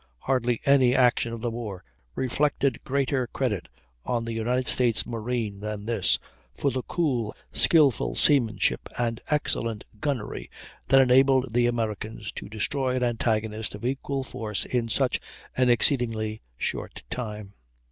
Hardly any action of the war reflected greater credit on the United States marine than this; for the cool, skilful seamanship and excellent gunnery that enabled the Americans to destroy an antagonist of equal force in such an exceedingly short time.